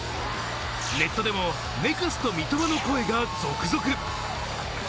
ネットでもＮＥＸＴ三笘の声が続出。